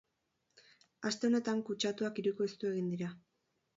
Aste honetan kutsatuak hirukoiztu egin dira.